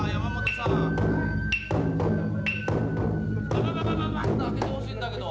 ババババババッと開けてほしいんだけど。